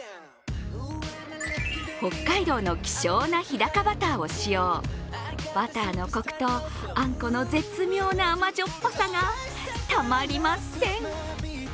北海道の希少な日高バターを使用、バターのコクとあんこの絶妙な甘じょっぱさがたまりません。